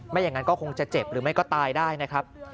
อย่างนั้นก็คงจะเจ็บหรือไม่ก็ตายได้นะครับ